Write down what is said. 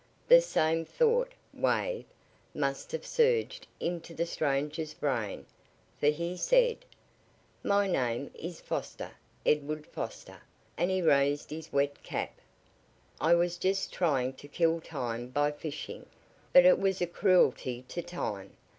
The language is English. The same thought "wave" must have surged into the stranger's brain, for he said: "My name is Foster Edward Foster," and he raised his wet cap. "I was just trying to kill time by fishing, but it was a cruelty to time.